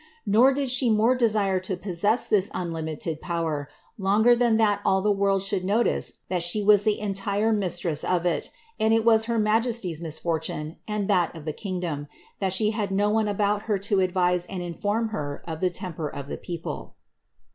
Nor did she more desire to possess this unlimited power longer than that all the world should notice that she was the en tire mistress of it; and it was her majesty's misfortune (and that of the kingdom) that she had no one about her to advise and inform her of the temper of the people.''